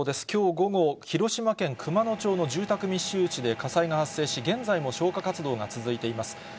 きょう午後、広島県熊野町の住宅みっしゅう地で、火災が発生し、現在も消火活動が続いています。